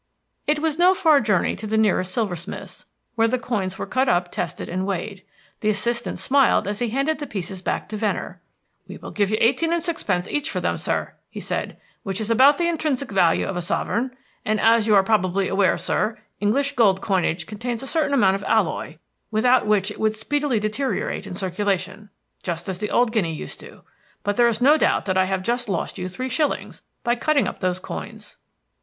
It was no far journey to the nearest silversmiths, where the coins were cut up, tested, and weighed. The assistant smiled as he handed the pieces back to Venner. "We will give you eighteen and sixpence each for them, sir," he said, "which is about the intrinsic value of a sovereign; and, as you are probably aware, sir, English gold coinage contains a certain amount of alloy, without which it would speedily deteriorate in circulation, just as the old guinea used to; but there is no doubt that I have just lost you three shillings by cutting up those coins."